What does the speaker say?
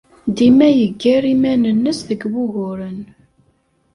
Dima yeggar iman-nnes deg wuguren.